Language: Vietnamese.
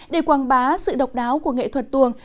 để quảng bá sự độc đáo của nghệ thuật tuồng